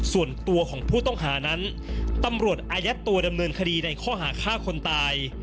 ส่วนตัวของผู้ต้องหานั้นตำรวจอายัดตัวดำเนินคดีในข้อหาฆ่าคนตาย